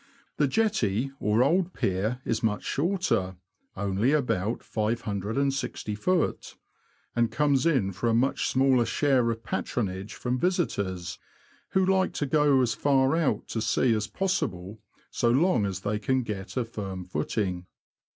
The Jetty, or Old Pier is much shorter — only about 560ft. — and comes in for a much smaller share of patronage from visitors, who like to go as far out to sea as possible, so long as they can get a firm footing.